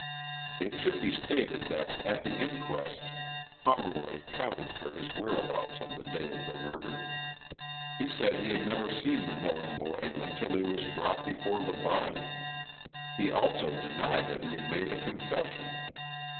It should be stated that at the inquest Pomeroy accounted for his whereabouts on the day of the murder. He said he had never seen the Milieu boy until he was brought before the bod}*. He also denied that he had made a confession.